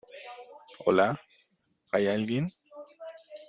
¿ hola? ¿ hay alguien ?